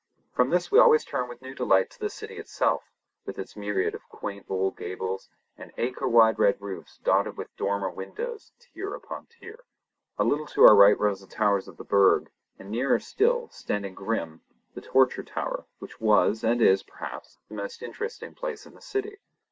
From this we always turned with new delight to the city itself, with its myriad of quaint old gables and acre wide red roofs dotted with dormer windows, tier upon tier. A little to our right rose the towers of the Burg, and nearer still, standing grim, the Torture Tower, which was, and is, perhaps, the most interesting place in the city.